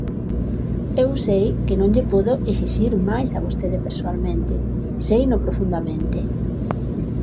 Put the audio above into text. Eu sei que non lle podo exixir máis a vostede persoalmente, seino profundamente.